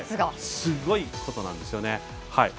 すごいことなんですよね。